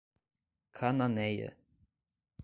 Cananéia